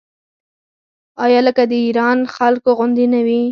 آیا لکه د ایران خلکو غوندې نه وي؟